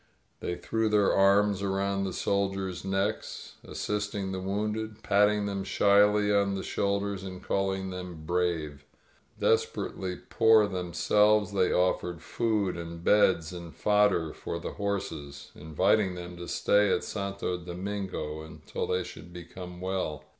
They threw their arms around the soldiers' necks, assisting the wounded, patting them shyly on the shoulders and calling them "brave." Desperately poor themselves, they offered food, and beds, and fodder for the horses, inviting them to stay at Santo Domingo until they should become well.